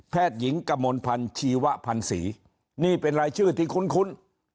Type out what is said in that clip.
หญิงกมลพันธ์ชีวพันธ์ศรีนี่เป็นรายชื่อที่คุ้น